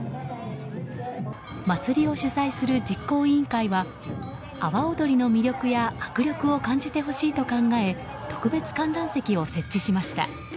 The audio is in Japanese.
祭りを主催する実行委員会は阿波踊りの魅力や迫力を感じてほしいと考え特別観覧席を設置しました。